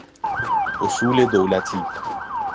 اصول دولتی